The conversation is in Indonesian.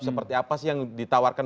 seperti apa sih yang ditawarkan